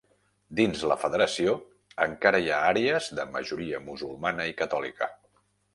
Dins la Federació, encara hi ha àrees de majoria musulmana i catòlica.